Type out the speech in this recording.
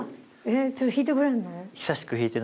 えっちょっと弾いてくれるの？